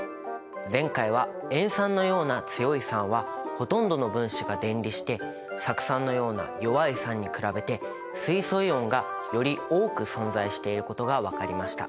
前回は塩酸のような強い酸はほとんどの分子が電離して酢酸のような弱い酸に比べて水素イオンがより多く存在していることが分かりました。